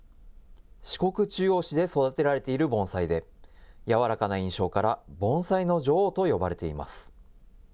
四国中央市で育てられている盆栽で、柔らかな印象から、盆栽の女王と呼ばれています。